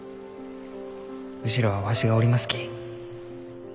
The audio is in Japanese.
後ろはわしがおりますき。